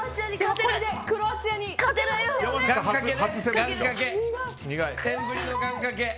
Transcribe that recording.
センブリの願掛け。